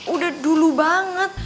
udah dulu banget